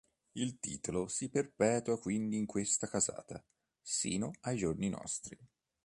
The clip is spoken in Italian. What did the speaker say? Il titolo si perpetua quindi in questa casata sino ai giorni nostri.